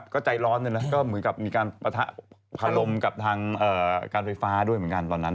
ก็ใจร้อนด้วยนะก็เหมือนกับมีการปะทะลมกับทางการไฟฟ้าด้วยเหมือนกันตอนนั้น